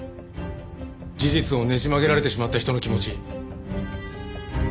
事実をねじ曲げられてしまった人の気持ち。